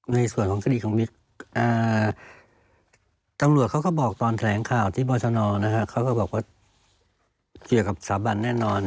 ในส่วนของคดีของมิกตำรวจเขาก็บอกตอนแถลงข่าวที่บรชนเขาก็บอกว่าเกี่ยวกับสถาบันแน่นอน